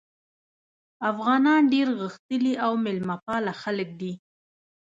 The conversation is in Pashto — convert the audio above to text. افغانان ډېر غښتلي او میلمه پاله خلک دي.